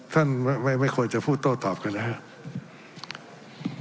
ท่านไม่ควรจะพูดโต้ตอบกันนะครับ